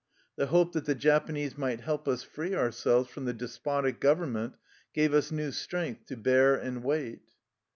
The hope that the Japanese might help us free ourselves from the despotic gov ernment gave us new strength to bear and wait.